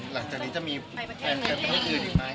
หลังจากนี้จะมีแฟนคนอื่นอีกไหม